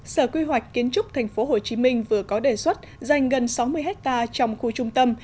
sở quy hoạch kiến trúc thành phố hồ chí minh vừa có đề xuất dành gần sáu mươi ha trong khu trung tâm